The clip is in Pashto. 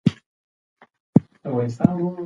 د اسټروېډونو څېړنه د ژوند د اصل سره مرسته کوي.